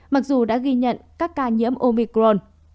mặc dù đã ghi nhận các ca nhiễm omicron